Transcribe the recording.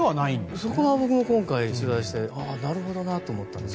そこが僕も今回取材してなるほどなと思って。